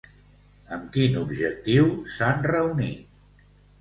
Amb quin objectiu s'han reunit?